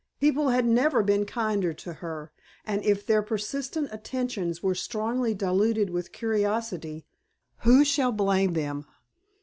People had never been kinder to her; and if their persistent attentions were strongly diluted with curiosity, who shall blame them?